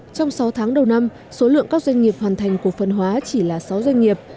trong sáu tháng đầu năm số lượng các doanh nghiệp hoàn thành cổ phần hóa chỉ là sáu doanh nghiệp